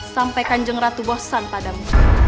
sampai kanjeng ratu bosan padamu